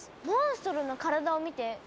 モンストロの体を見て。